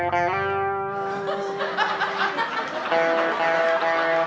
adiknya udah mau keluar